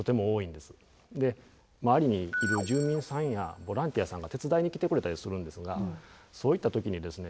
で周りにいる住民さんやボランティアさんが手伝いに来てくれたりするんですがそういった時にですね